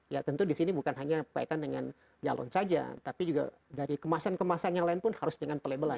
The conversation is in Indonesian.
ya tentu di sini bukan hanya kaitan dengan galon saja tapi juga dari kemasan kemasan yang lain pun harus dengan pelabelan